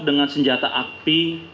dengan senjata api